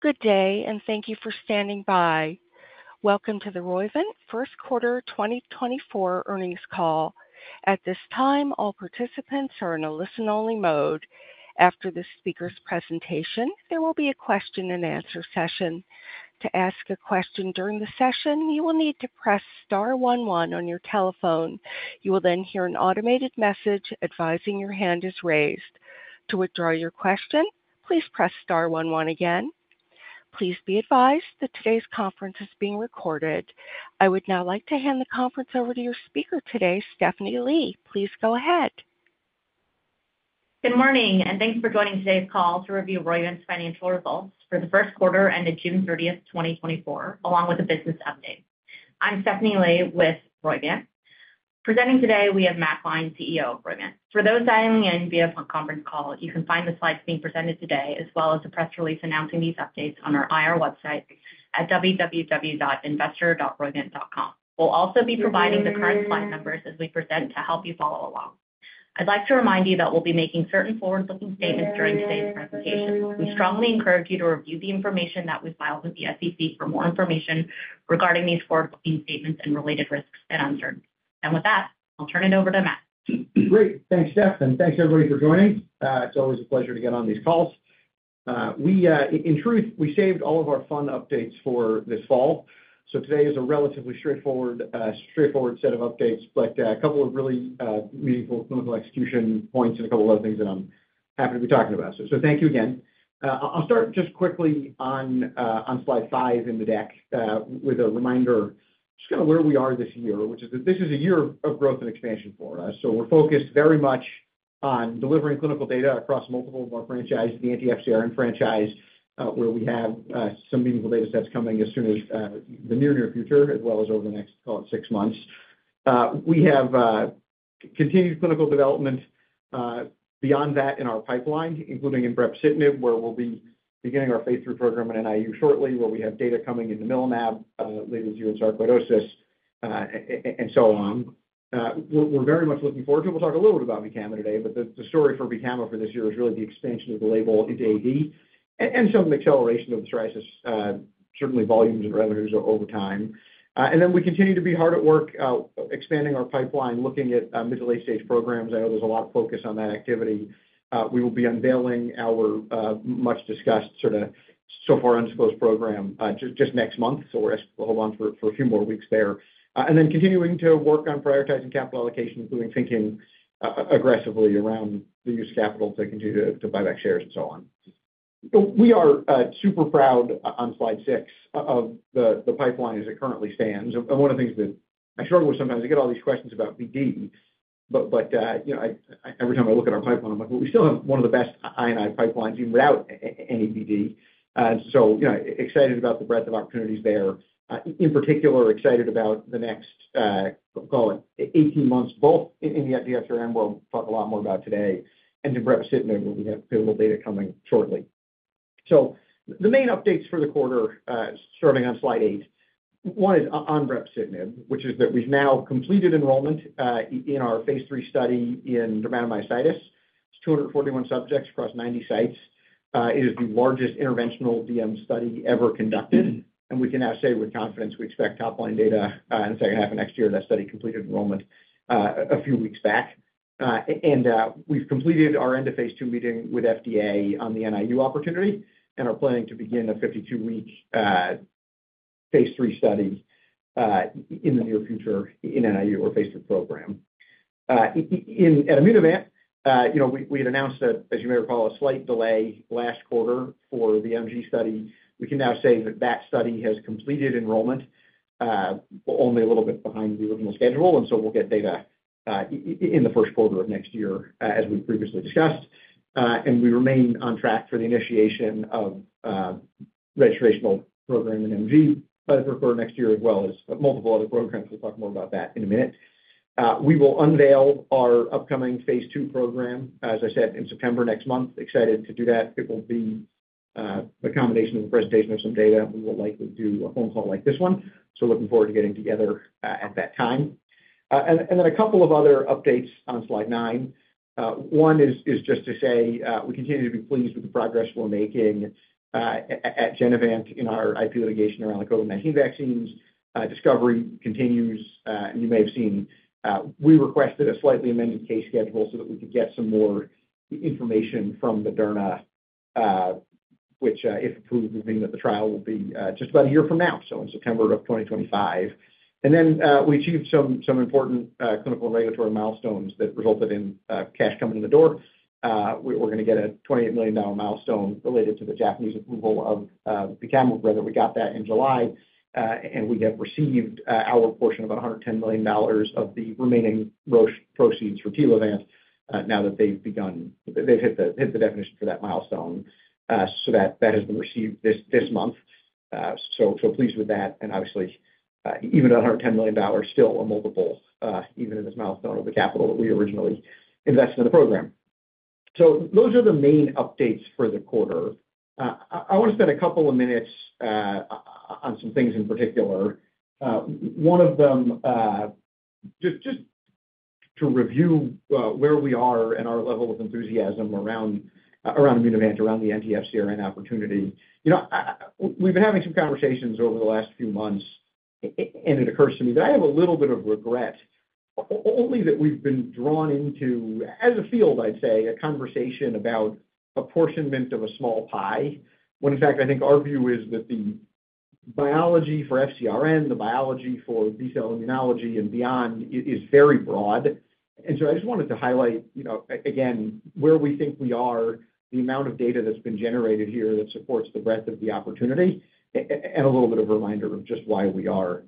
Good day, and thank you for standing by. Welcome to the Roivant First Quarter 2024 Earnings Call. At this time, all participants are in a listen-only mode. After the speaker's presentation, there will be a question-and-answer session. To ask a question during the session, you will need to press star one one on your telephone. You will then hear an automated message advising your hand is raised. To withdraw your question, please press star one one again. Please be advised that today's conference is being recorded. I would now like to hand the conference over to your speaker today, Stephanie Lee. Please go ahead. Good morning, and thanks for joining today's call to review Roivant's financial results for the first quarter ended June 30, 2024, along with a business update. I'm Stephanie Lee with Roivant. Presenting today, we have Matt Gline, CEO of Roivant. For those dialing in via phone conference call, you can find the slides being presented today, as well as the press release announcing these updates on our IR website at www.investor.roivant.com. We'll also be providing the current slide numbers as we present to help you follow along. I'd like to remind you that we'll be making certain forward-looking statements during today's presentation. We strongly encourage you to review the information that we filed with the SEC for more information regarding these forward-looking statements and related risks and uncertainties. With that, I'll turn it over to Matt. Great. Thanks, Steph, and thanks, everybody, for joining. It's always a pleasure to get on these calls. We, in truth, we saved all of our fun updates for this fall, so today is a relatively straightforward, straightforward set of updates, but, a couple of really, meaningful clinical execution points and a couple of other things that I'm happy to be talking about. So thank you again. I'll start just quickly on, on slide five in the deck, with a reminder, just kinda where we are this year, which is that this is a year of growth and expansion for us. So we're focused very much on delivering clinical data across multiple of our franchises, the anti-FcRn franchise, where we have some meaningful data sets coming as soon as the near, near future, as well as over the next, call it, six months. We have continued clinical development beyond that in our pipeline, including in brepocitinib, where we'll be beginning our phase III program at NIU shortly, where we have data coming in the namilumab related to sarcoidosis, and so on. We're very much looking forward to it. We'll talk a little bit about VTAMA today, but the story for VTAMA for this year is really the expansion of the label into AD and some acceleration of the psoriasis certainly volumes and revenues over time. And then we continue to be hard at work, expanding our pipeline, looking at middle-late stage programs. I know there's a lot of focus on that activity. We will be unveiling our much-discussed, sorta so far undisclosed program, just next month, so we'll ask you to hold on for a few more weeks there. And then continuing to work on prioritizing capital allocation, including thinking aggressively around the use of capital to continue to buy back shares and so on. We are super proud, on slide six, of the pipeline as it currently stands. One of the things that I struggle with sometimes, I get all these questions about BD, but you know, every time I look at our pipeline, I'm like, "Well, we still have one of the best I and I pipelines without any BD." So, you know, excited about the breadth of opportunities there. In particular, excited about the next, call it 18 months, both in the FcRn, we'll talk a lot more about today, and in brepocitinib, where we have available data coming shortly. So the main updates for the quarter, starting on slide 8. One is on brepocitinib, which is that we've now completed enrollment in our phase III study in dermatomyositis. It's 241 subjects across 90 sites. It is the largest interventional DM study ever conducted, and we can now say with confidence we expect top-line data in the second half of next year. That study completed enrollment a few weeks back. And we've completed our end-of-phase II meeting with FDA on the NIU opportunity and are planning to begin a 52-week phase III study in the near future in NIU or phase III program. In at Immunovant, you know, we had announced that, as you may recall, a slight delay last quarter for the MG study. We can now say that that study has completed enrollment only a little bit behind the original schedule, and so we'll get data in the first quarter of next year as we previously discussed. And we remain on track for the initiation of, registrational program in MG, for next year, as well as multiple other programs. We'll talk more about that in a minute. We will unveil our upcoming phase II program, as I said, in September next month. Excited to do that. It will be, a combination of the presentation of some data. We will likely do a phone call like this one, so looking forward to getting together, at that time. And then a couple of other updates on slide nine. One is just to say, we continue to be pleased with the progress we're making, at Genevant in our IP litigation around the COVID-19 vaccines. Discovery continues. You may have seen, we requested a slightly amended case schedule so that we could get some more information from Moderna, which, if approved, would mean that the trial will be just about a year from now, so in September of 2025. We achieved some important clinical and regulatory milestones that resulted in cash coming in the door. We're gonna get a $28 million milestone related to the Japanese approval of batoclimab. We got that in July, and we have received our portion of $110 million of the remaining royalty proceeds from Telavant, now that they've hit the definition for that milestone. So pleased with that. Obviously, even $110 million, still a multiple, even in this milestone, of the capital that we originally invested in the program. So those are the main updates for the quarter. I wanna spend a couple of minutes on some things in particular. One of them, just to review, where we are and our level of enthusiasm around Immunovant, around the anti-FcRN opportunity. You know, we've been having some conversations over the last few months, and it occurs to me that I have a little bit of regret, only that we've been drawn into, as a field, I'd say, a conversation about apportionment of a small pie, when in fact, I think our view is that the biology for FcRN, the biology for B-cell immunology and beyond, is very broad. And so I just wanted to highlight, you know, again, where we think we are, the amount of data that's been generated here that supports the breadth of the opportunity, and a little bit of a reminder of just why we are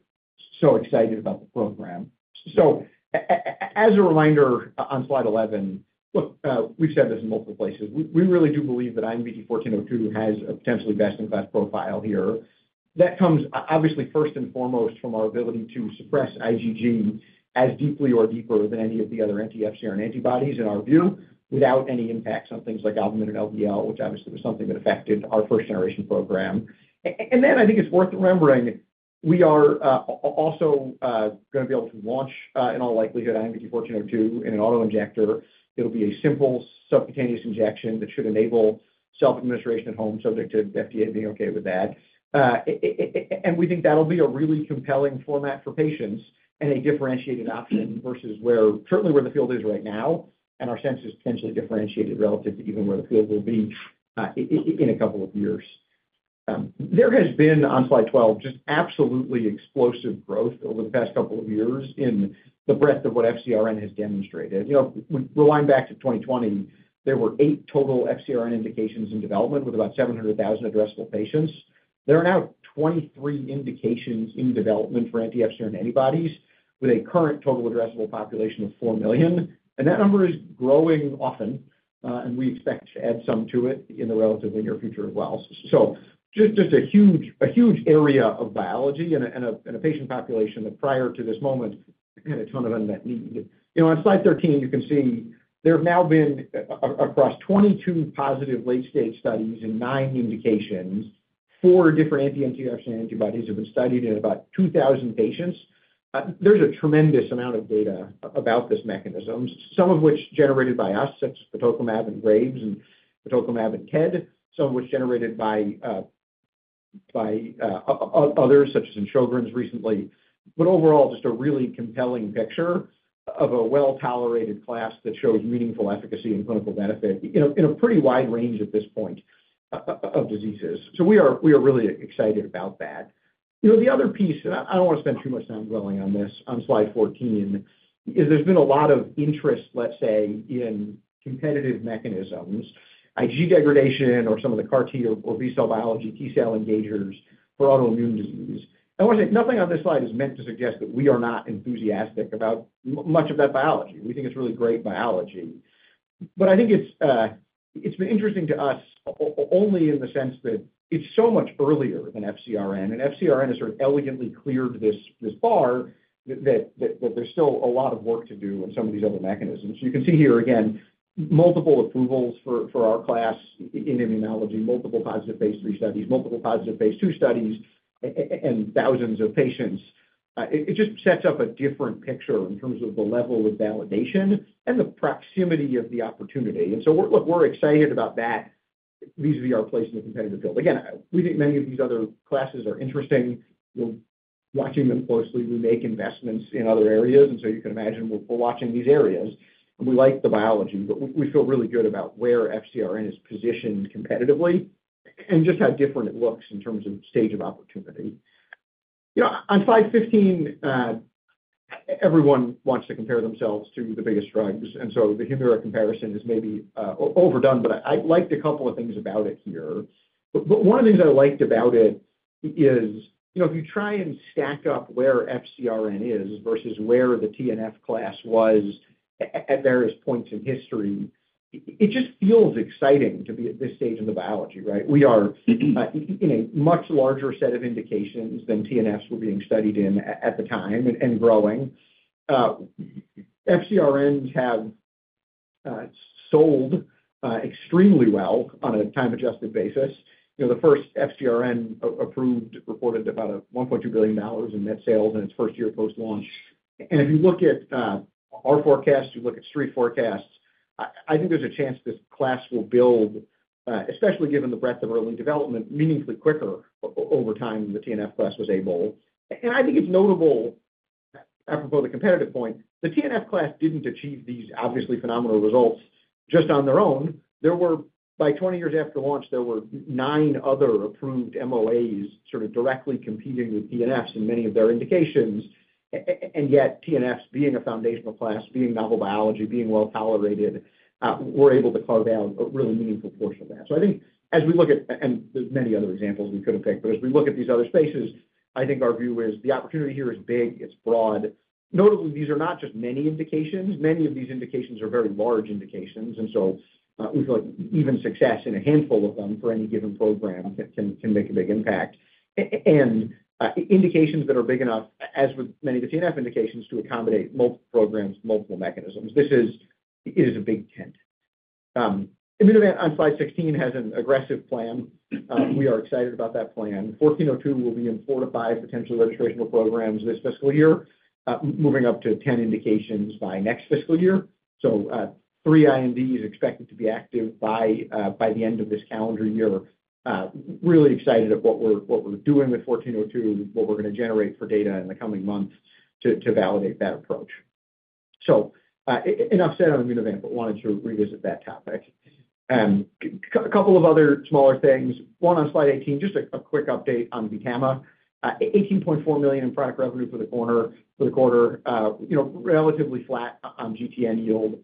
so excited about the program. So as a reminder, on slide 11, look, we've said this in multiple places. We really do believe that IMVT-1402 has a potentially best-in-class profile here. That comes obviously, first and foremost, from our ability to suppress IgG as deeply or deeper than any of the other anti-FcRn antibodies, in our view, without any impacts on things like albumin and LDL, which obviously was something that affected our first-generation program. And then I think it's worth remembering, we are also gonna be able to launch, in all likelihood, IMVT-1402 in an auto-injector. It'll be a simple subcutaneous injection that should enable self-administration at home, subject to FDA being okay with that. And we think that'll be a really compelling format for patients and a differentiated option versus certainly where the field is right now, and our sense is potentially differentiated relative to even where the field will be, in a couple of years. There has been, on slide 12, just absolutely explosive growth over the past couple of years in the breadth of what FcRN has demonstrated. You know, rewinding back to 2020, there were 8 total FcRN indications in development with about 700,000 addressable patients. There are now 23 indications in development for anti-FcRn antibodies, with a current total addressable population of four million, and that number is growing often, and we expect to add some to it in the relatively near future as well. So just, just a huge, a huge area of biology and a, and a, and a patient population that, prior to this moment, had a ton of unmet need. You know, on slide 13, you can see there have now been across 22 positive late-stage studies in nine indications, four different anti-FcRn antibodies have been studied in about 2,000 patients. There's a tremendous amount of data about this mechanism, some of which generated by us, such as rituximab and Graves and rituximab and TED. Some of which generated by others, such as in Sjögren's recently. But overall, just a really compelling picture of a well-tolerated class that shows meaningful efficacy and clinical benefit in a pretty wide range at this point, of diseases. So we are really excited about that. You know, the other piece, and I don't want to spend too much time dwelling on this, on slide 14, is there's been a lot of interest, let's say, in competitive mechanisms, IgG degradation or some of the CAR T or B-cell biology, T-cell engagers for autoimmune disease. I want to say, nothing on this slide is meant to suggest that we are not enthusiastic about much of that biology. We think it's really great biology. But I think it's, it's been interesting to us only in the sense that it's so much earlier than FcRN, and FcRN has sort of elegantly cleared this, this bar that, that, that there's still a lot of work to do in some of these other mechanisms. You can see here, again, multiple approvals for, for our class in immunology, multiple positive phase III studies, multiple positive phase II studies, and thousands of patients. It just sets up a different picture in terms of the level of validation and the proximity of the opportunity. And so we're, look, we're excited about that. These are our place in the competitive field. Again, I... We think many of these other classes are interesting. We're watching them closely. We make investments in other areas, and so you can imagine we're, we're watching these areas, and we like the biology. But we feel really good about where FcRN is positioned competitively and just how different it looks in terms of stage of opportunity. You know, on slide 15, everyone wants to compare themselves to the biggest drugs, and so the Humira comparison is maybe overdone, but I liked a couple of things about it here. But one of the things I liked about it is, you know, if you try and stack up where FcRN is versus where the TNF class was at various points in history, it just feels exciting to be at this stage in the biology, right? We are in a much larger set of indications than TNFs were being studied in at the time and growing. FcRNs have sold extremely well on a time-adjusted basis. You know, the first FcRn-approved reported about $1.2 billion in net sales in its first year post-launch. And if you look at our forecast, you look at street forecasts, I think there's a chance this class will build, especially given the breadth of early development, meaningfully quicker over time than the TNF class was able. And I think it's notable, apropos to competitive point, the TNF class didn't achieve these obviously phenomenal results just on their own. There were... By 20 years after launch, there were 9 other approved MOAs sort of directly competing with TNFs in many of their indications. And yet, TNFs, being a foundational class, being novel biology, being well-tolerated, were able to carve out a really meaningful portion of that. So I think as we look at, and there's many other examples we could have picked, but as we look at these other spaces, I think our view is the opportunity here is big, it's broad. Notably, these are not just many indications. Many of these indications are very large indications, and so, we feel like even success in a handful of them for any given program can, can make a big impact. And, indications that are big enough, as with many of the TNF indications, to accommodate multiple programs, multiple mechanisms. This is, it is a big tent. Immunovant on slide 16 has an aggressive plan. We are excited about that plan. 1402 will be in 4-5 potential registrational programs this fiscal year, moving up to 10 indications by next fiscal year. So, three INDs expected to be active by the end of this calendar year. Really excited at what we're doing with 1402 and what we're going to generate for data in the coming months to validate that approach. So, enough said on Immunovant, but wanted to revisit that topic. Couple of other smaller things. One on slide 18, just a quick update on VTAMA. $18.4 million in product revenue for the quarter, you know, relatively flat on GTN yield.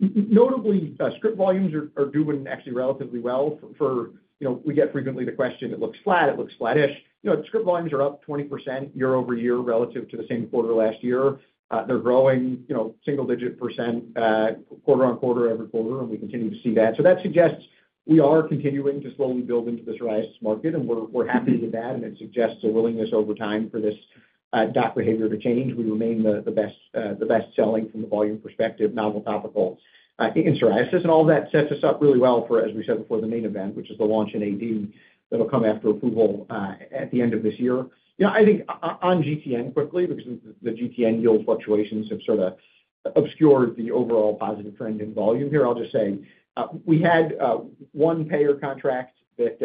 Notably, script volumes are doing actually relatively well. You know, we get frequently the question, it looks flat, it looks flattish. You know, script volumes are up 20% year-over-year relative to the same quarter last year. They're growing, you know, single-digit%, quarter-over-quarter, every quarter, and we continue to see that. So that suggests we are continuing to slowly build into this psoriasis market, and we're, we're happy with that, and it suggests a willingness over time for this, doc behavior to change. We remain the, the best, the best selling from the volume perspective, novel, topical, in psoriasis, and all that sets us up really well for, as we said before, the main event, which is the launch in AD, that'll come after approval, at the end of this year. You know, I think on, on GTN quickly, because the, the GTN yield fluctuations have sort of obscured the overall positive trend in volume here. I'll just say, we had one payer contract that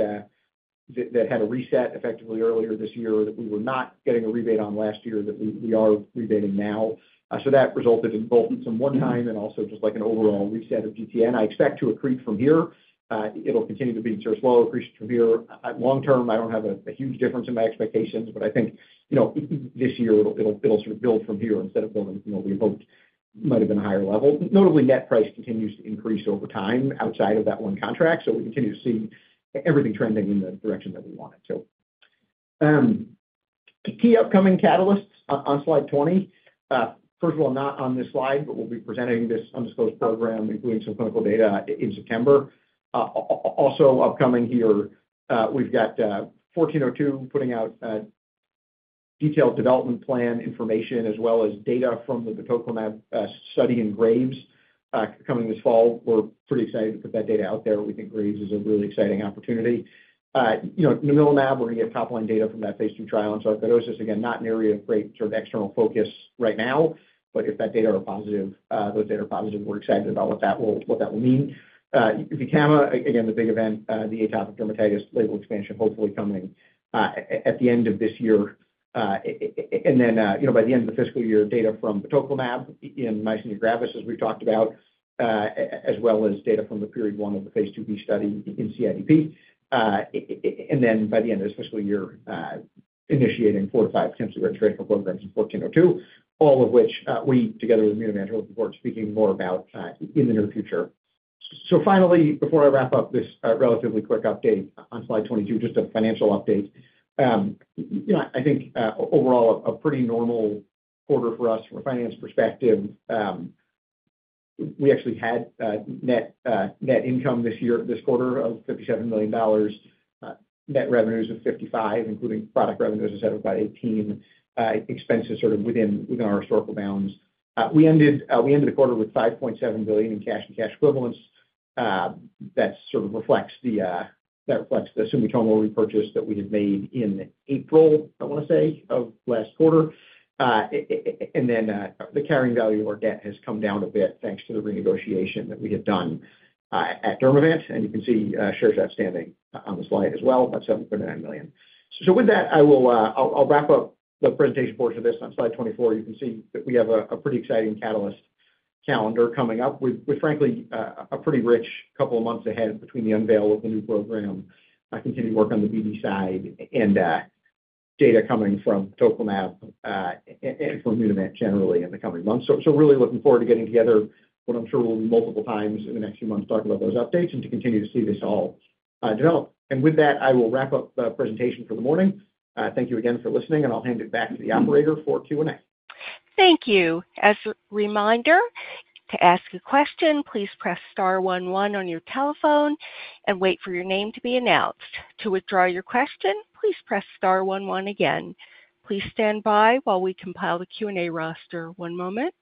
had a reset effectively earlier this year, that we were not getting a rebate on last year that we are rebating now. So that resulted in both some one-time and also just like an overall reset of GTN. I expect to accrete from here. It'll continue to be sort of slow increase from here. Long term, I don't have a huge difference in my expectations, but I think, you know, this year it'll sort of build from here instead of building, you know, we hoped might have been a higher level. Notably, net price continues to increase over time outside of that one contract, so we continue to see everything trending in the direction that we want it. So, key upcoming catalysts on slide 20. First of all, not on this slide, but we'll be presenting this undisclosed program, including some clinical data in September. Also upcoming here, we've got 14 oh 2, putting out detailed development plan information, as well as data from the tocilizumab study in Graves coming this fall. We're pretty excited to put that data out there. We think Graves is a really exciting opportunity. You know, nemolizumab, we're going to get top line data from that phase II trial in sarcoidosis. Again, not an area of great sort of external focus right now, but if that data are positive, those data are positive, we're excited about what that will mean. VTAMA, again, the big event, the atopic dermatitis label expansion, hopefully coming at the end of this year. And then, you know, by the end of the fiscal year, data from tocilizumab in myasthenia gravis, as we've talked about, as well as data from period one of the phase II-B study in CIDP. And then by the end of this fiscal year, initiating 4-5 potential registrational programs in 1402, all of which, we, together with Immunovant, are looking forward to speaking more about, in the near future. So finally, before I wrap up this, relatively quick update on slide 22, just a financial update. You know, I think, overall, a pretty normal quarter for us from a finance perspective. We actually had, net, net income this quarter of $57 million. Net revenues of $55 million, including product revenues, as I said, of about $18 million. Expenses sort of within our historical bounds. We ended the quarter with $5.7 billion in cash and cash equivalents. That sort of reflects the Sumitomo repurchase that we had made in April, I want to say, of last quarter. And then, the carrying value of our debt has come down a bit, thanks to the renegotiation that we had done at Dermavant, and you can see shares outstanding on the slide as well, about 7.9 million. So with that, I'll wrap up the presentation portion of this. On slide 24, you can see that we have a pretty exciting catalyst calendar coming up. We've frankly a pretty rich couple of months ahead between the unveil of the new program, continuing work on the BD side, and data coming from tocilizumab and from Immunovant generally in the coming months. So really looking forward to getting together what I'm sure will be multiple times in the next few months to talk about those updates and to continue to see this all develop. And with that, I will wrap up the presentation for the morning. Thank you again for listening, and I'll hand it back to the operator for Q&A. Thank you. As a reminder, to ask a question, please press star one one on your telephone and wait for your name to be announced. To withdraw your question, please press star one one again. Please stand by while we compile the Q&A roster. One moment.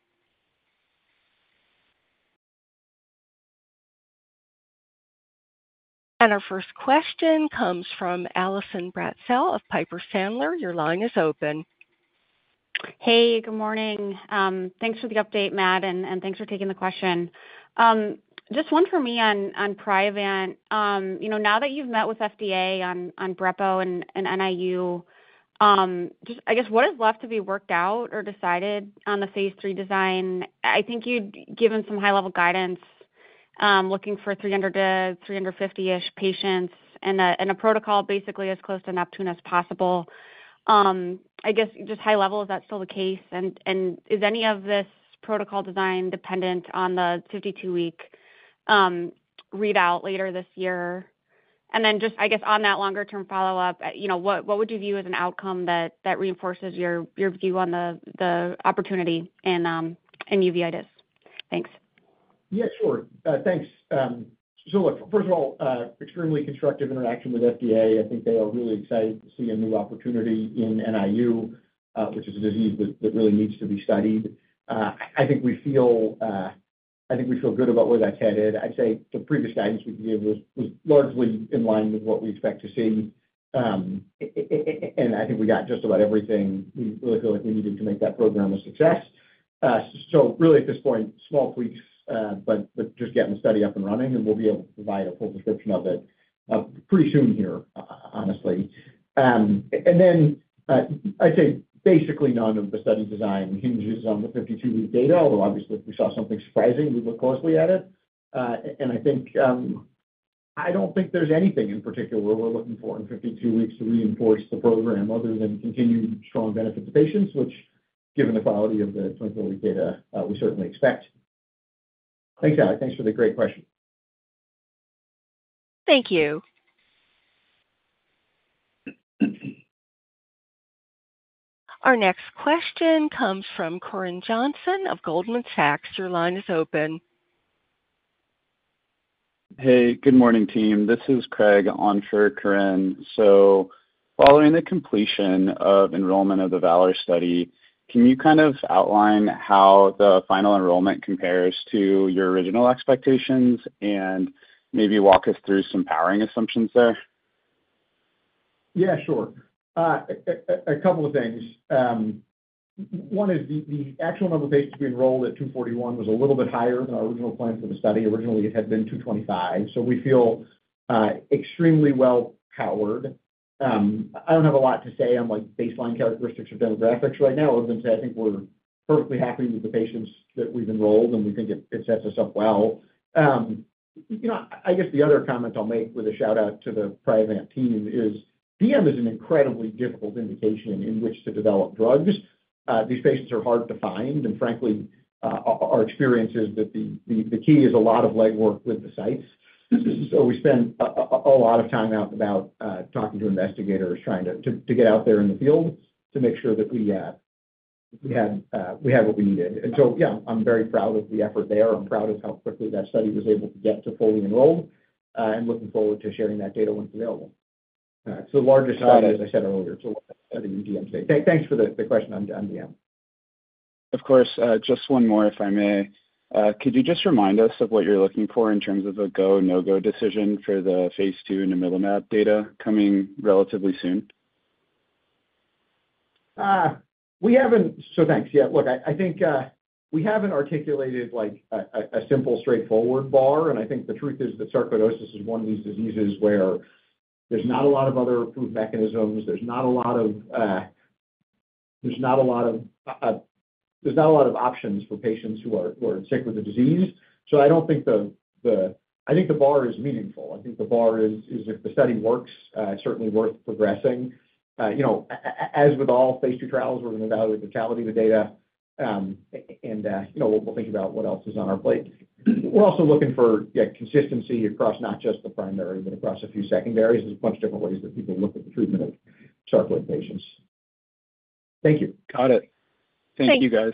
And our first question comes from Allison Bratzel of Piper Sandler. Your line is open. Hey, good morning. Thanks for the update, Matt, and thanks for taking the question. Just one for me on Priovant. You know, now that you've met with FDA on Breppo and NIU, just I guess, what is left to be worked out or decided on the phase III design? I think you'd given some high-level guidance, looking for 300-350-ish patients and a protocol basically as close to Neptune as possible. I guess, just high level, is that still the case? And is any of this protocol design dependent on the 52-week readout later this year? And then just, I guess, on that longer-term follow-up, you know, what would you view as an outcome that reinforces your view on the opportunity in uveitis? Thanks. Yeah, sure. Thanks. So look, first of all, extremely constructive interaction with FDA. I think they are really excited to see a new opportunity in NIU, which is a disease that really needs to be studied. I think we feel good about where that's headed. I'd say the previous guidance we gave was largely in line with what we expect to see. And I think we got just about everything we really feel like we needed to make that program a success. So really, at this point, small tweaks, but just getting the study up and running, and we'll be able to provide a full description of it pretty soon here, honestly. I'd say basically none of the study design hinges on the 52-week data, although obviously, if we saw something surprising, we'd look closely at it. I think, I don't think there's anything in particular we're looking for in 52 weeks to reinforce the program other than continued strong benefit to patients, which, given the quality of the 24-week data, we certainly expect. Thanks, Alex. Thanks for the great question. Thank you. Our next question comes from Corinne Johnson of Goldman Sachs. Your line is open. Hey, good morning, team. This is Craig on for Corinne. So following the completion of enrollment of the VALOR study, can you kind of outline how the final enrollment compares to your original expectations, and maybe walk us through some powering assumptions there? Yeah, sure. A couple of things. One is the actual number of patients we enrolled at 241 was a little bit higher than our original plan for the study. Originally, it had been 225, so we feel extremely well-powered. I don't have a lot to say on, like, baseline characteristics or demographics right now, other than to say, I think we're perfectly happy with the patients that we've enrolled, and we think it sets us up well. You know, I guess the other comment I'll make with a shout-out to the Priovant team is, DM is an incredibly difficult indication in which to develop drugs. These patients are hard to find, and frankly, our experience is that the key is a lot of legwork with the sites. So we spend a lot of time out and about, talking to investigators, trying to get out there in the field to make sure that we had what we needed. And so, yeah, I'm very proud of the effort there. I'm proud of how quickly that study was able to get to fully enrolled, and looking forward to sharing that data once available. It's the largest study, as I said earlier, in MG today. Thanks for the question on MG. Of course. Just one more, if I may. Could you just remind us of what you're looking for in terms of a go, no-go decision for the phase II nemolizumab data coming relatively soon? We haven't. So thanks. Yeah, look, I think we haven't articulated like a simple, straightforward bar, and I think the truth is that Sarcoidosis is one of these diseases where there's not a lot of other approved mechanisms. There's not a lot of options for patients who are sick with the disease, so I don't think the bar is meaningful. I think the bar is if the study works, certainly worth progressing. You know, as with all phase II trials, we're going to evaluate the totality of the data, and you know, we'll think about what else is on our plate. We're also looking for, yeah, consistency across not just the primary, but across a few secondaries. There's a bunch of different ways that people look at the treatment of sarcoid patients. Thank you. Got it. Thanks. Thank you, guys.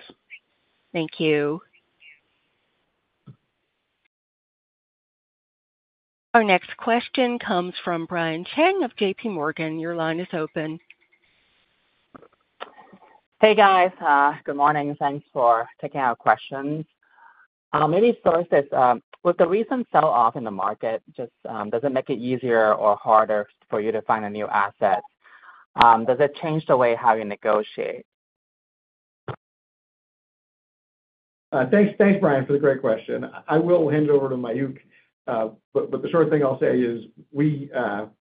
Thank you. Our next question comes from Brian Cheng of JPMorgan. Your line is open. Hey, guys, good morning, and thanks for taking our questions. Maybe start this with the recent sell-off in the market, just, does it make it easier or harder for you to find a new asset? Does it change the way how you negotiate? Thanks, thanks, Brian, for the great question. I will hand it over to Mayukh, but the short thing I'll say is we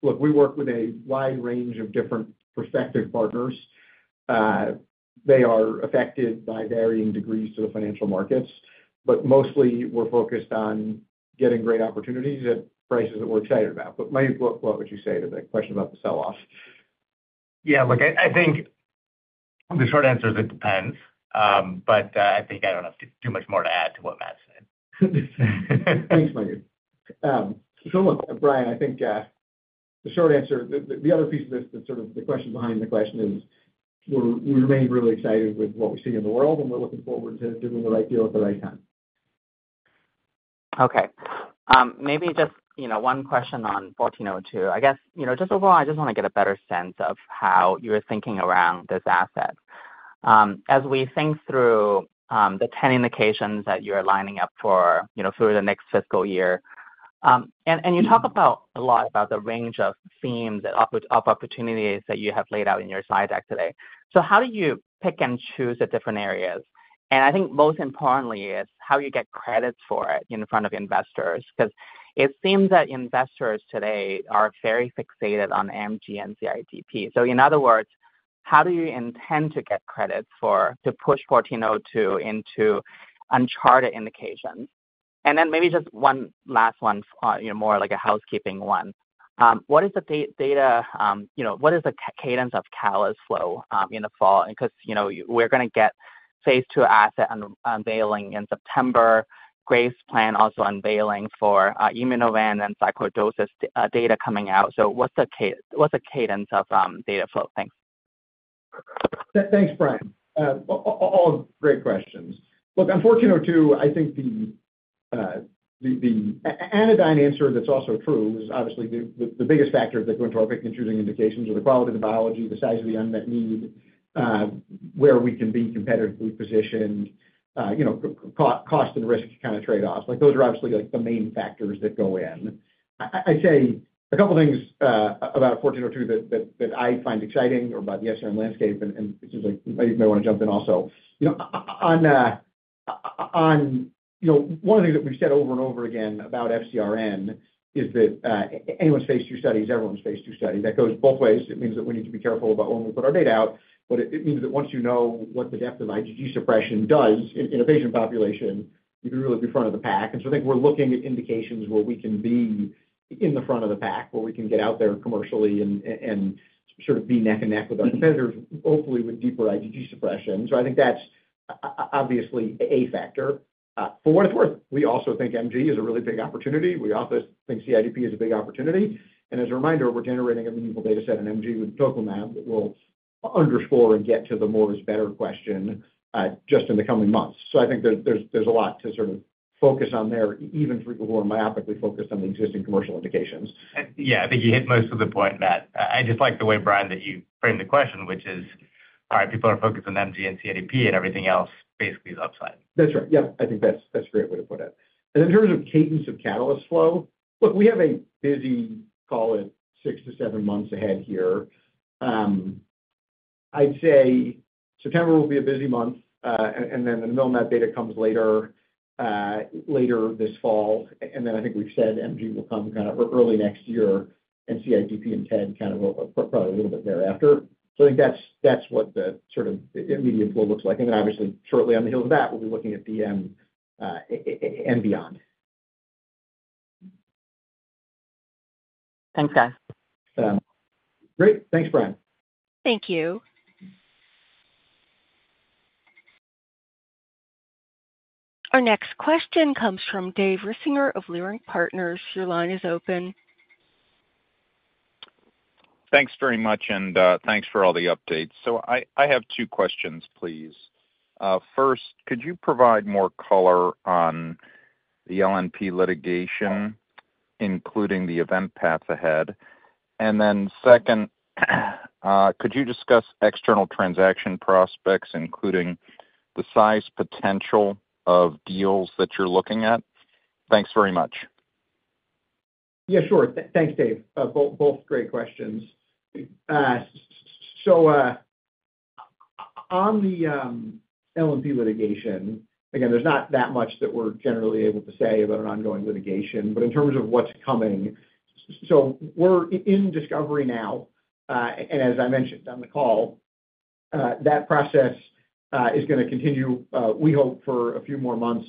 work with a wide range of different prospective partners. They are affected by varying degrees to the financial markets, but mostly we're focused on getting great opportunities at prices that we're excited about. But Mayukh, what would you say to the question about the sell-off? Yeah, look, I think the short answer is it depends. But I think I don't have too much more to add to what Matt said. Thanks, Mayukh. So look, Brian, I think, the short answer, the other piece of this, the sort of the question behind the question is, we remain really excited with what we see in the world, and we're looking forward to doing the right deal at the right time. Okay. Maybe just, you know, one question on 1402. I guess, you know, just overall, I just wanna get a better sense of how you're thinking around this asset. As we think through the 10 indications that you're lining up for, you know, through the next fiscal year, and you talk about a lot about the range of themes and opportunities that you have laid out in your slide deck today. So how do you pick and choose the different areas? And I think most importantly is how you get credits for it in front of investors, because it seems that investors today are very fixated on AMGN CIDP. So in other words, how do you intend to get credits for, to push 1402 into uncharted indications? Maybe just one last one, you know, more like a housekeeping one. What is the data, you know, what is the cadence of data flow in the fall? Because, you know, we're going to get phase II asset unveiling in September. Graves' plan also unveiling for Immunovant and sarcoidosis data coming out. So what's the cadence of data flow? Thanks. .Thanks, Brian. All great questions. Look, unfortunately, too, I think the anodyne answer that's also true is obviously the biggest factor that go into our pick and choosing indications are the quality of the biology, the size of the unmet need, where we can be competitively positioned, you know, cost and risk kind of trade-offs. Like, those are obviously, like, the main factors that go in. I'd say a couple things about fourteen oh two that I find exciting or about the SCM landscape, and you may wanna jump in also. You know, on, you know, one of the things that we've said over and over again about FcRn is that anyone's phase II studies, everyone's phase II study, that goes both ways. It means that we need to be careful about when we put our data out, but it means that once you know what the depth of IgG suppression does in a patient population, you can really be front of the pack. And so I think we're looking at indications where we can be in the front of the pack, where we can get out there commercially and sort of be neck and neck with our competitors, hopefully with deeper IgG suppression. So I think that's obviously a factor. For what it's worth, we also think MG is a really big opportunity. We also think CIDP is a big opportunity, and as a reminder, we're generating a meaningful data set in MG with tocilizumab that will underscore and get to the more is better question, just in the coming months. So I think there's a lot to sort of focus on there, even for people who are myopically focused on the existing commercial indications. Yeah, I think you hit most of the point, Matt. I just like the way, Brian, that you framed the question, which is, all right, people are focused on MG and CIDP, and everything else basically is upside. That's right. Yeah, I think that's, that's a great way to put it. And in terms of cadence of catalyst flow, look, we have a busy, call it 6-7 months ahead here. I'd say September will be a busy month, and, and then the batoclimab data comes later, later this fall, and then I think we've said MG will come kind of early next year, and CIDP and TED kind of probably a little bit thereafter. So I think that's, that's what the sort of immediate flow looks like. And then obviously shortly on the heels of that, we'll be looking at BD, and beyond. Thanks, guys. Great. Thanks, Brian. Thank you. Our next question comes from Dave Risinger of Leerink Partners. Your line is open. Thanks very much, and thanks for all the updates. So I have two questions, please. First, could you provide more color on the LNP litigation, including the event path ahead? And then second, could you discuss external transaction prospects, including the size potential of deals that you're looking at? Thanks very much. Yeah, sure. Thanks, Dave. Both great questions. So, on the LNP litigation, again, there's not that much that we're generally able to say about an ongoing litigation, but in terms of what's coming, so we're in discovery now, and as I mentioned on the call, that process is gonna continue, we hope for a few more months.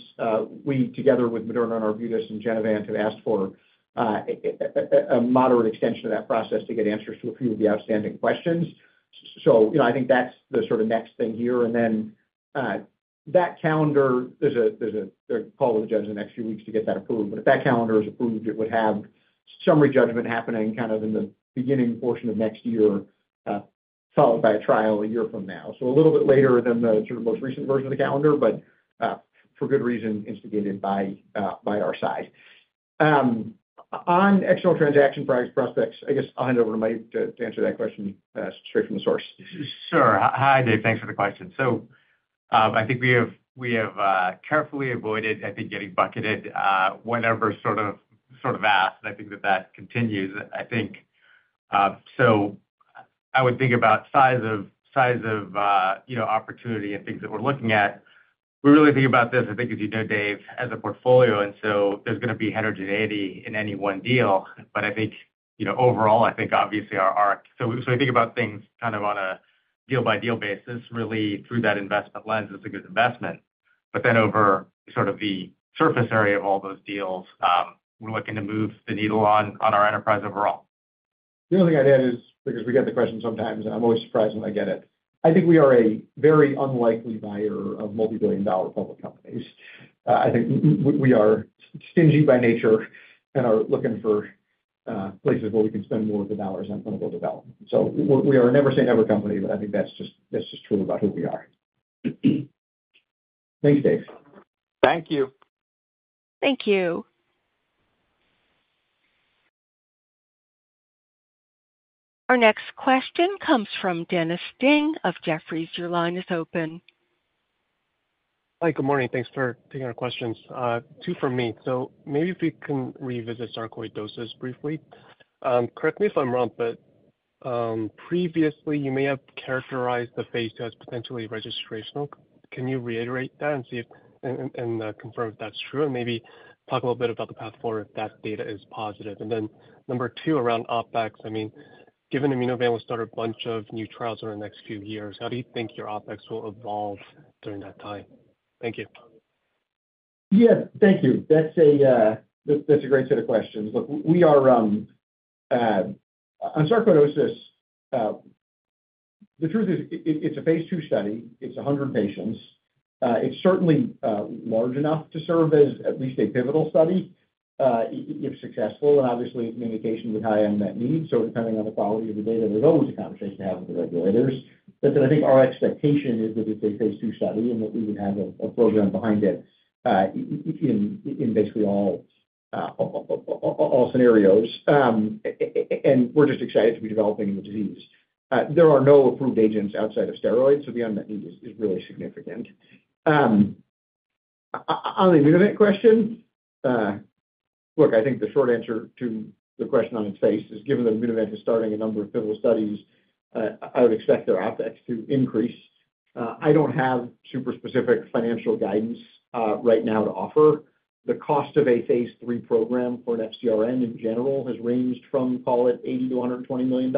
We, together with Moderna, Arbutus, and Genevant, have asked for a moderate extension of that process to get answers to a few of the outstanding questions. So, you know, I think that's the sort of next thing here, and then that calendar, there's a call with the judge in the next few weeks to get that approved, but if that calendar is approved, it would have summary judgment happening kind of in the beginning portion of next year, followed by a trial a year from now. So a little bit later than the sort of most recent version of the calendar, but for good reason, instigated by our side. On external transaction price prospects, I guess I'll hand over to Mike to answer that question straight from the source. Sure. Hi, Dave. Thanks for the question. So, I think we have carefully avoided, I think, getting bucketed whenever sort of asked, and I think that continues. I think, so I would think about size of opportunity and things that we're looking at. We really think about this, I think, as you know, Dave, as a portfolio, and so there's gonna be heterogeneity in any one deal. But I think, you know, overall, I think obviously our—so we think about things kind of on a deal-by-deal basis, really through that investment lens, it's a good investment. But then over sort of the surface area of all those deals, we're looking to move the needle on our enterprise overall. The only thing I'd add is, because we get the question sometimes, and I'm always surprised when I get it: I think we are a very unlikely buyer of multibillion-dollar public companies. I think we are stingy by nature and are looking for places where we can spend more of the dollars on clinical development. So we are never saying ever company, but I think that's just, that's just true about who we are. Thanks, Dave. Thank you. Thank you. Our next question comes from Dennis Ding of Jefferies. Your line is open. Hi, good morning. Thanks for taking our questions. Two from me. So maybe if we can revisit sarcoidosis briefly. Correct me if I'm wrong, but previously, you may have characterized the phase II as potentially registrational. Can you reiterate that and see if and confirm if that's true? And maybe talk a little bit about the path forward if that data is positive. And then number 2, around OpEx, I mean, given Immunovant will start a bunch of new trials over the next few years, how do you think your OpEx will evolve during that time? Thank you. Yeah, thank you. That's a great set of questions. Look, we are on sarcoidosis, the truth is it's a phase II study. It's 100 patients. It's certainly large enough to serve as at least a pivotal study, if successful, and obviously communication with high unmet need. So depending on the quality of the data, there's always a conversation to have with the regulators. But then I think our expectation is that it's a phase II study and that we would have a program behind it, in basically all scenarios. And we're just excited to be developing the disease. There are no approved agents outside of steroids, so the unmet need is really significant. On the Immunovant question, look, I think the short answer to the question on its face is, given that Immunovant is starting a number of pivotal studies, I would expect their OpEx to increase. I don't have super specific financial guidance, right now to offer. The cost of a phase III program for an FcRn, in general, has ranged from, call it, $80-$120 million.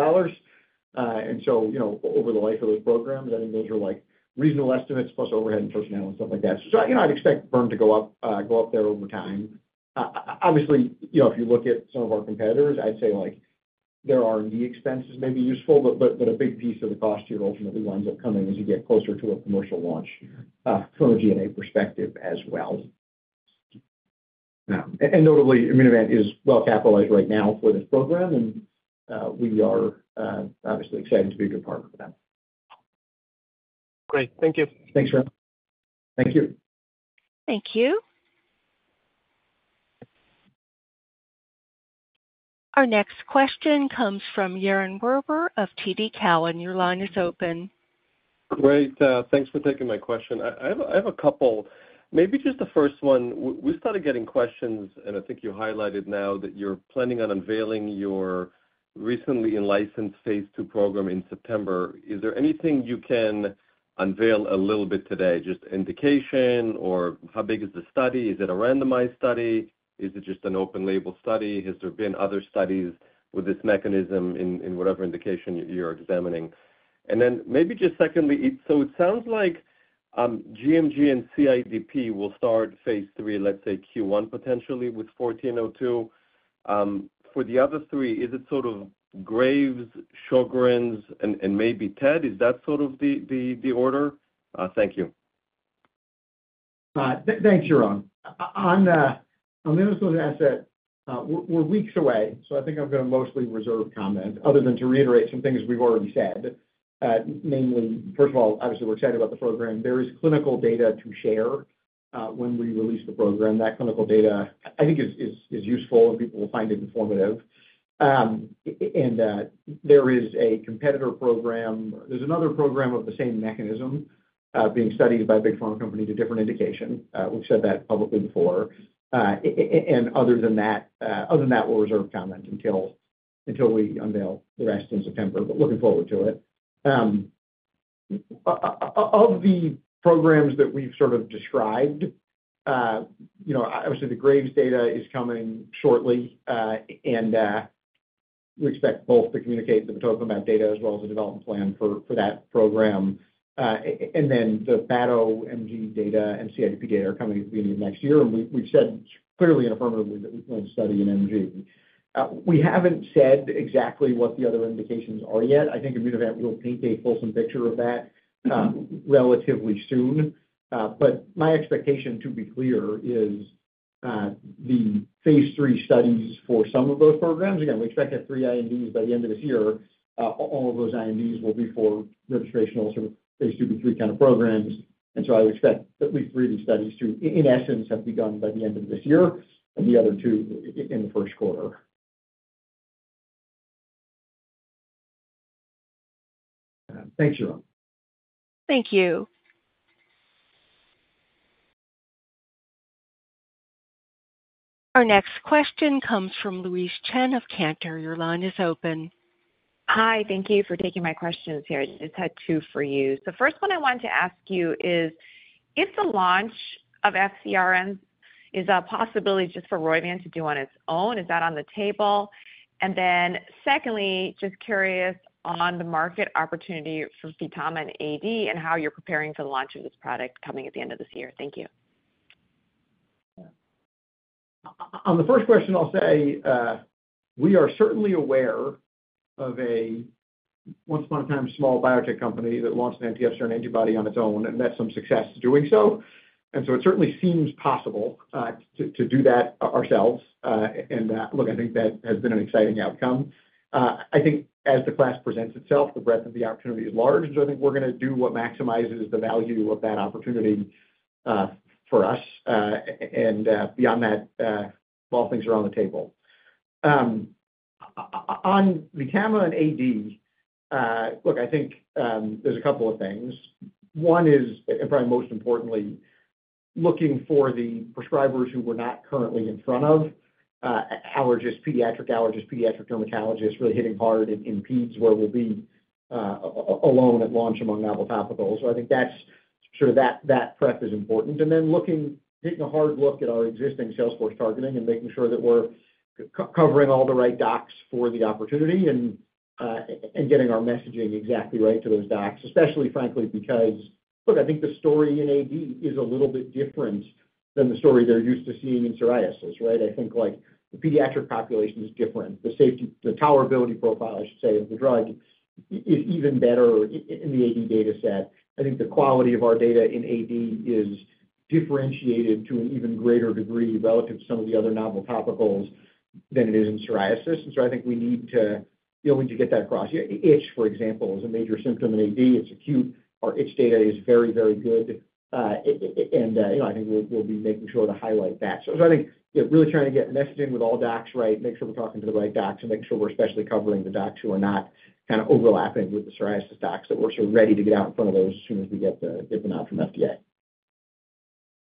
And so, you know, over the life of those programs, I think those are like reasonable estimates plus overhead and personnel and stuff like that. So, you know, I'd expect them to go up, go up there over time. Obviously, you know, if you look at some of our competitors, I'd say, like, their R&D expenses may be useful, but, but a big piece of the cost here ultimately winds up coming as you get closer to a commercial launch, from a GMA perspective as well. Notably, Immunovant is well capitalized right now for this program, and, we are, obviously excited to be a good partner for them. Great. Thank you. Thanks, Ron. Thank you. Thank you. Our next question comes from Yaron Werber of TD Cowen. Your line is open. Great, thanks for taking my question. I have a couple. Maybe just the first one, we started getting questions, and I think you highlighted now that you're planning on unveiling your recently in-licensed phase II program in September. Is there anything you can unveil a little bit today? Just indication or how big is the study? Is it a randomized study? Is it just an open label study? Has there been other studies with this mechanism in whatever indication you're examining? And then maybe just secondly, so it sounds like MG and CIDP will start phase III, let's say Q1, potentially with 14-02. For the other three, is it sort of Graves', Sjögren's, and maybe TED? Is that sort of the order? Thank you. Thanks, Yaron. On this asset, we're weeks away, so I think I'm going to mostly reserve comment other than to reiterate some things we've already said. Mainly, first of all, obviously, we're excited about the program. There is clinical data to share when we release the program. That clinical data, I think, is useful, and people will find it informative. And there is a competitor program. There's another program of the same mechanism being studied by a big pharma company; it's a different indication. We've said that publicly before. And other than that, we'll reserve comment until we unveil the rest in September, but looking forward to it. Of the programs that we've sort of described, you know, obviously, the Graves' data is coming shortly, and we expect both to communicate the total amount of data as well as the development plan for that program. And then the batoclimab MG data and CIDP data are coming at the beginning of next year, and we've said clearly and affirmatively that we plan to study in MG. We haven't said exactly what the other indications are yet. I think Immunovant will paint a fulsome picture of that, relatively soon. But my expectation, to be clear, is the Phase III studies for some of those programs. Again, we expect to have three INDs by the end of this year. All of those INDs will be for registrational, sort of phase II/III kind of programs. And so I would expect at least three of these studies to, in essence, have begun by the end of this year and the other two in the first quarter. Thanks, Yaron. Thank you. Our next question comes from Louise Chen of Cantor. Your line is open. Hi, thank you for taking my questions here. I just had two for you. The first one I wanted to ask you is, if the launch of FcRn is a possibility just for Roivant to do on its own, is that on the table? And then secondly, just curious on the market opportunity for VTAMA and AD, and how you're preparing for the launch of this product coming at the end of this year. Thank you. On the first question, I'll say, we are certainly aware of a once upon a time, small biotech company that launched an FcRn antibody on its own and met some success doing so. And so it certainly seems possible to do that ourselves. And look, I think that has been an exciting outcome. I think as the class presents itself, the breadth of the opportunity is large, so I think we're gonna do what maximizes the value of that opportunity for us and beyond that, all things are on the table. On VTAMA and AD, look, I think, there's a couple of things. One is, and probably most importantly, looking for the prescribers who we're not currently in front of, allergists, pediatric allergists, pediatric dermatologists, really hitting hard in Peds, where we'll be alone at launch among novel topicals. So I think that's sure that prep is important. And then looking, taking a hard look at our existing sales force targeting and making sure that we're covering all the right docs for the opportunity and getting our messaging exactly right to those docs, especially frankly, because, look, I think the story in AD is a little bit different than the story they're used to seeing in psoriasis, right? I think, like, the pediatric population is different. The safety, the tolerability profile, I should say, of the drug is even better in the AD dataset. I think the quality of our data in AD is differentiated to an even greater degree relative to some of the other novel topicals than it is in psoriasis. And so I think we need to be able to get that across. Itch, for example, is a major symptom in AD. It's acute. Our itch data is very, very good. It, and you know, I think we'll be making sure to highlight that. So I think, really trying to get messaging with all docs right, make sure we're talking to the right docs, and make sure we're especially covering the docs who are not kind of overlapping with the psoriasis docs, that we're so ready to get out in front of those as soon as we get the nod from FDA.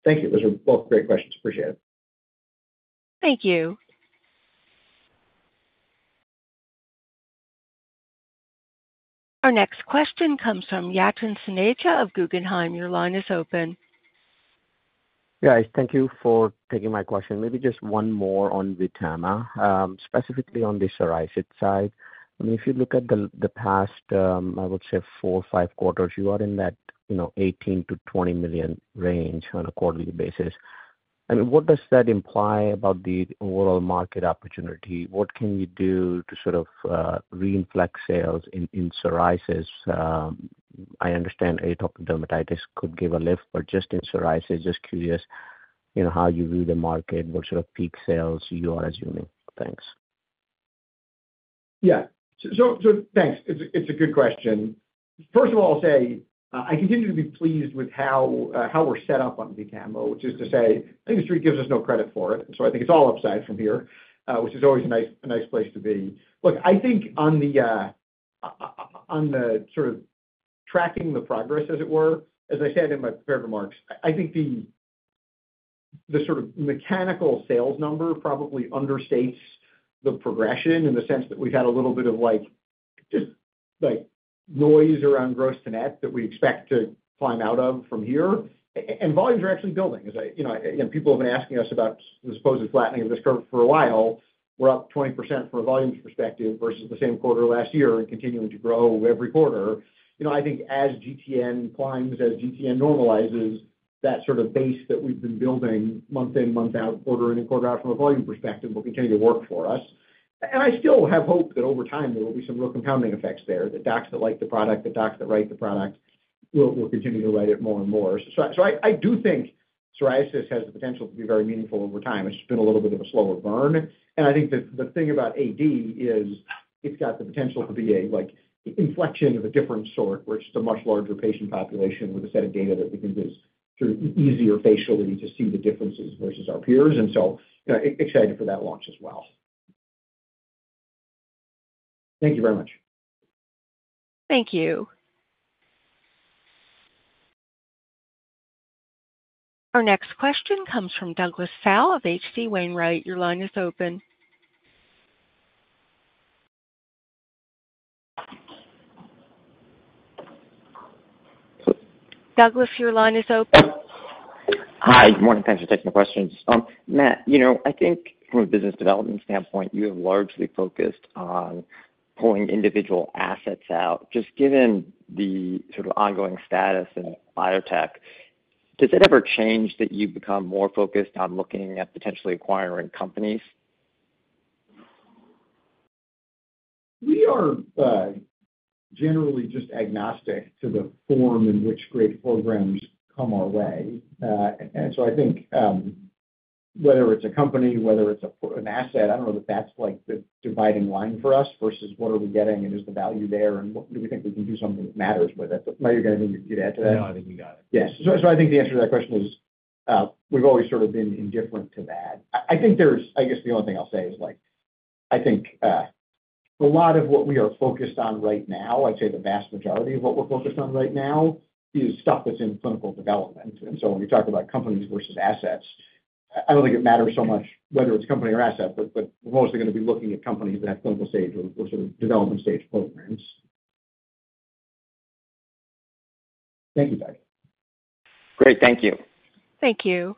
Thank you. Those are both great questions. Appreciate it. Thank you. Our next question comes from Yatin Suneja of Guggenheim. Your line is open. Yeah, thank you for taking my question. Maybe just one more on VTAMA, specifically on the psoriasis side. I mean, if you look at the past, I would say four or five quarters, you are in that, you know, $18-$20 million range on a quarterly basis. I mean, what does that imply about the overall market opportunity? What can you do to sort of re-inflect sales in psoriasis? I understand atopic dermatitis could give a lift, but just in psoriasis, just curious, you know, how you view the market, what sort of peak sales you are assuming? Thanks. Yeah. So thanks. It's a good question. First of all, I'll say, I continue to be pleased with how we're set up on VTAMA, which is to say, I think the street gives us no credit for it, so I think it's all upside from here, which is always a nice place to be. Look, I think on the sort of tracking the progress, as it were, as I said in my prepared remarks, I think the sort of mechanical sales number probably understates the progression in the sense that we've had a little bit of, like, just noise around gross to net that we expect to climb out of from here. And volumes are actually building. As I... You know, and people have been asking us about the supposed flattening of this curve for a while. We're up 20% from a volumes perspective versus the same quarter last year and continuing to grow every quarter. You know, I think as GTN climbs, as GTN normalizes, that sort of base that we've been building month in, month out, quarter in and quarter out from a volume perspective, will continue to work for us. And I still have hope that over time, there will be some real compounding effects there, that docs that like the product, that docs that write the product will, will continue to write it more and more. So, so I, I do think psoriasis has the potential to be very meaningful over time. It's just been a little bit of a slower burn. I think the thing about AD is it's got the potential to be a, like, inflection of a different sort, where it's a much larger patient population with a set of data that we can just sort of easier facially to see the differences versus our peers. And so, excited for that launch as well. Thank you very much. Thank you. Our next question comes from Douglas Tsao of HC Wainwright. Your line is open. Douglas, your line is open. Hi, good morning. Thanks for taking the questions. Matt, you know, I think from a business development standpoint, you have largely focused on pulling individual assets out. Just given the sort of ongoing status in biotech, does it ever change that you've become more focused on looking at potentially acquiring companies? We are generally just agnostic to the form in which great programs come our way. And so I think, whether it's a company, whether it's a, an asset, I don't know that that's, like, the dividing line for us versus what are we getting and is the value there, and do we think we can do something that matters with it? Mayukh, you got anything to add to that? No, I think you got it. Yes. So I think the answer to that question is, we've always sort of been indifferent to that. I think there's... I guess the only thing I'll say is, like, I think a lot of what we are focused on right now, I'd say the vast majority of what we're focused on right now, is stuff that's in clinical development. And so when we talk about companies versus assets, I don't think it matters so much whether it's company or asset, but we're mostly going to be looking at companies that have clinical stage or sort of development stage programs. Thank you, Doug. Great. Thank you. Thank you.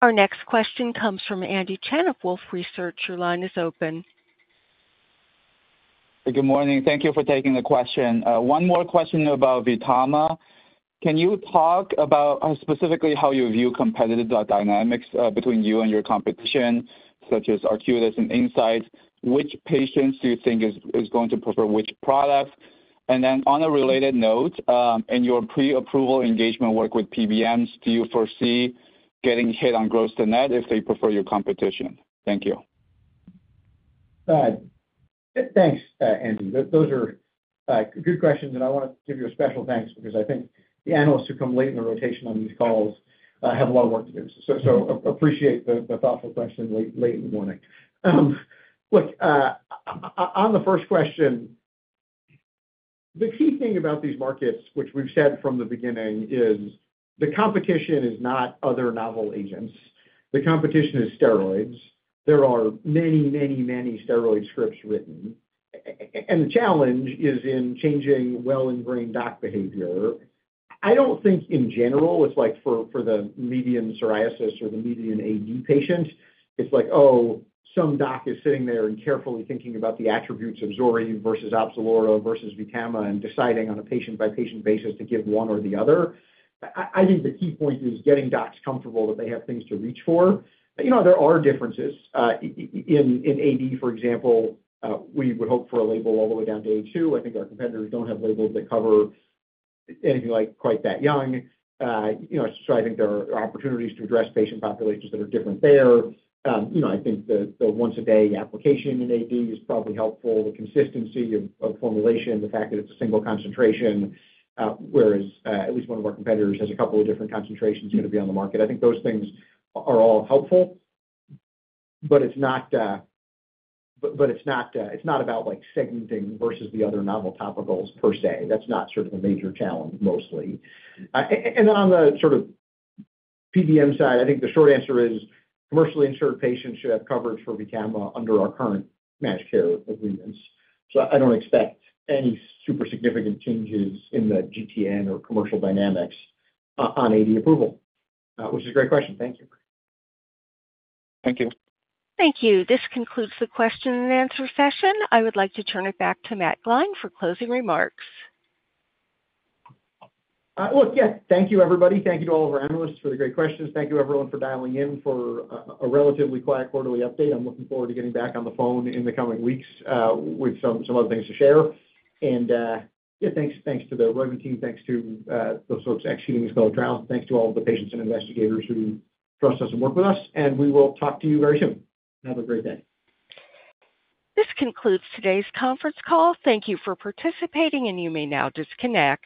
Our next question comes from Andy Chen of Wolfe Research. Your line is open. Good morning. Thank you for taking the question. One more question about VTAMA. Can you talk about, specifically how you view competitive dynamics between you and your competition, such as Arcutis and Incyte? Which patients do you think is going to prefer which product? And then on a related note, in your pre-approval engagement work with PBMs, do you foresee getting hit on gross-to-net if they prefer your competition? Thank you. Thanks, Andy. Those are good questions, and I want to give you a special thanks because I think the analysts who come late in the rotation on these calls have a lot of work to do. So appreciate the thoughtful question late in the morning. Look, on the first question, the key thing about these markets, which we've said from the beginning, is the competition is not other novel agents. The competition is steroids. There are many, many, many steroid scripts written, and the challenge is in changing well-ingrained doc behavior. I don't think in general, it's like for the median psoriasis or the median AD patient, it's like, oh, some doc is sitting there and carefully thinking about the attributes of Zoryve versus Opzelura versus VTAMA and deciding on a patient-by-patient basis to give one or the other. I think the key point is getting docs comfortable that they have things to reach for. You know, there are differences. In AD, for example, we would hope for a label all the way down to age two. I think our competitors don't have labels that cover anything like quite that young. You know, so I think there are opportunities to address patient populations that are different there. You know, I think the once-a-day application in AD is probably helpful, the consistency of formulation, the fact that it's a single concentration, whereas at least one of our competitors has a couple of different concentrations going to be on the market. I think those things are all helpful, but it's not, it's not about like segmenting versus the other novel topicals per se. That's not sort of the major challenge, mostly. And then on the sort of PBM side, I think the short answer is commercially insured patients should have coverage for VTAMA under our current managed care agreements. So I don't expect any super significant changes in the GTN or commercial dynamics on AD approval. Which is a great question. Thank you. Thank you. Thank you. This concludes the question and answer session. I would like to turn it back to Matt Gline for closing remarks. Look, yeah, thank you, everybody. Thank you to all of our analysts for the great questions. Thank you, everyone, for dialing in for a relatively quiet quarterly update. I'm looking forward to getting back on the phone in the coming weeks with some other things to share. And, yeah, thanks, thanks to the Roivant team. Thanks to those folks exceeding us below ground. Thanks to all the patients and investigators who trust us and work with us, and we will talk to you very soon. Have a great day. This concludes today's conference call. Thank you for participating, and you may now disconnect.